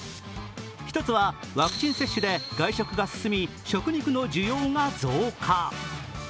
１つはワクチン接種で外食が進み、食肉の需要が増加。